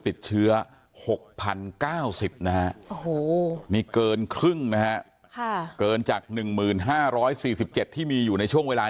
ติดเชื้อ๖๐๙๐มีเกินครึ่งมีจาก๑๕๐๔๗ที่มีอยู่ในช่วงเวลา